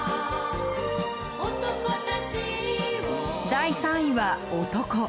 第３位は「男」